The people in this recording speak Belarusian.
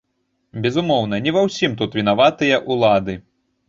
Безумоўна, не ва ўсім тут вінаватыя ўлады.